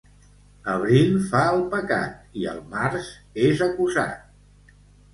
Abril fa el pecat i el març és acusat.